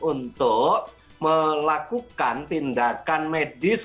untuk melakukan tindakan medis